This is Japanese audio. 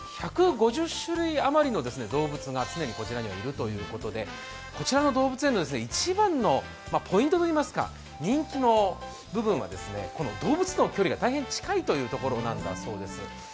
１５０種類余りの動物が常にこちらにはいるということでこちらの動物園の一番のポイントといいますか人気の部分は、動物との距離が大変近いというところなんだそうです。